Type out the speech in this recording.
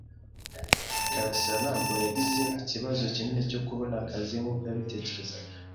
karasira ntabwo yagize ikibazo kinini cyo kubona akazi nkuko yabitekerezaga.